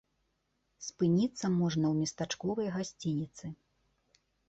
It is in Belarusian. Спыніцца можна ў местачковай гасцініцы.